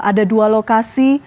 ada dua lokasi